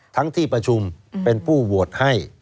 ที่ประชุมเป็นผู้โหวตให้